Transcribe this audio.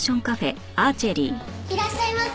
いらっしゃいませ。